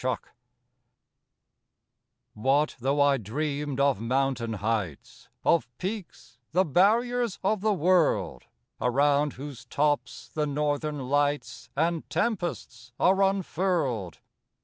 FOOTPATHS _What though I dreamed of mountain heights, Of peaks, the barriers of the world, Around whose tops the Northern Lights And tempests are unfurled!